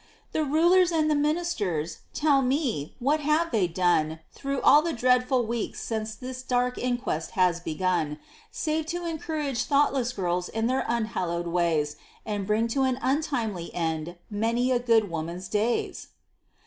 "The rulers and the ministers, tell me, what have they done, Through all the dreadful weeks since this dark inquest was begun, Save to encourage thoughtless girls in their unhallowed ways, And bring to an untimely end many a good woman's days?